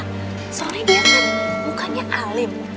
karena dia bukan alim